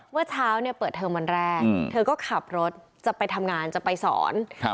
เมื่อเช้าเนี่ยเปิดเทอมวันแรกเธอก็ขับรถจะไปทำงานจะไปสอนครับ